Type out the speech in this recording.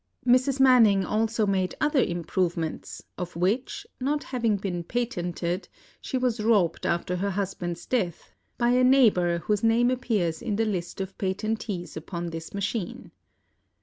Mrs. Manning also made other improvements, of which, not having been patented, she was robbed after her hus band's death by a neighbor whose name appears in the list of patentees upon this machine.